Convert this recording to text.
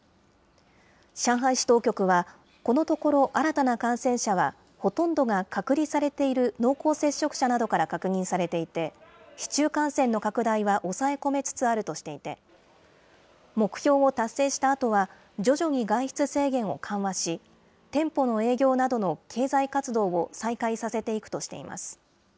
上海市当局は、このところ、新たな感染者はほとんどが隔離されている濃厚接触者などから確認されていて、市中感染の拡大は抑え込めつつあるとしていて、目標を達成したあとは、徐々に外出制限を緩和し、店舗の営業などの経済活動を再開させていくとしています。